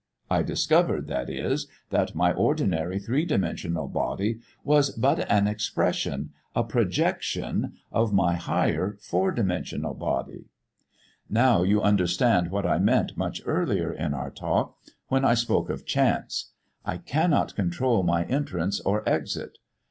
I discovered, that is, that my ordinary three dimensional body was but an expression a projection of my higher four dimensional body! "Now you understand what I meant much earlier in our talk when I spoke of chance. I cannot control my entrance or exit.